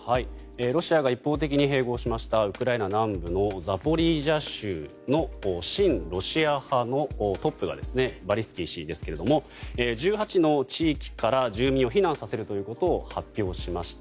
ロシアが一方的に併合しましたウクライナ南部のザポリージャ州の親ロシア派のトップバリツキー氏ですけれども１８の地域から住民を避難させるということを発表しました。